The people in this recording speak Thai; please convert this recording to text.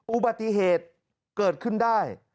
อุบัติเหตุเกิดขึ้นได้